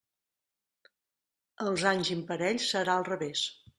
Els anys imparells serà al revés.